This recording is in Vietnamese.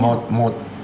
một một một